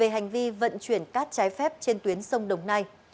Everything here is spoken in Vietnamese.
về hành vi vận chuyển cát trái phép trên tuyến sông đồng nai